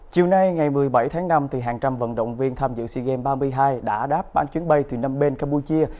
chiều nay ngày một mươi bảy tháng năm hàng trăm vận động viên tham dự sea games ba mươi hai đã đáp bán chuyến bay từ năm bên campuchia